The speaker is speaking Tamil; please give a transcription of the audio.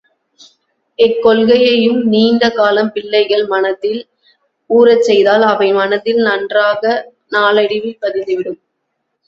எக்கொள்கையையும் நீண்ட காலம் பிள்ளைகள் மனத்தில் ஊறச் செய்தால் அவை மனத்தில் நன்றாக நாளடைவில் பதிந்துவிடும்.